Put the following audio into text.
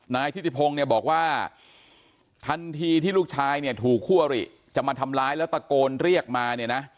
นายทิติพงศ์เนี่ยบอกว่าทันทีที่ลูกชายเนี่ยถูกคู่อริจะมาทำร้ายแล้วตะโกนเรียกมาเนี่ยนะ